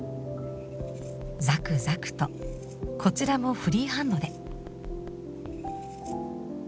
ザクザクとこちらもフリーハンドで。